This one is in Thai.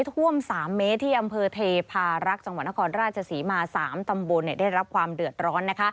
ท่วม๓เมตรที่อำเภอเทพารักษ์จังหวัดนครราชศรีมา๓ตำบลได้รับความเดือดร้อน